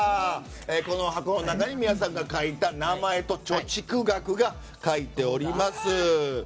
この箱の中に皆さんの書いた名前と貯蓄額が書いております。